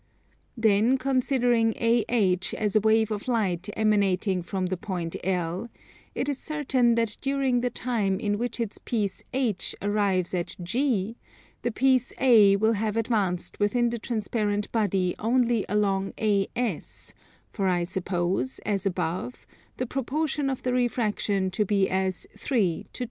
Then considering AH as a wave of light emanating from the point L, it is certain that during the time in which its piece H arrives at G the piece A will have advanced within the transparent body only along AS; for I suppose, as above, the proportion of the refraction to be as 3 to 2.